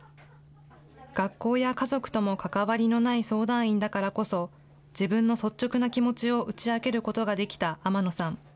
学校や家族とも関わりのない相談員だからこそ、自分の率直な気持ちを打ち明けることができた天野さん。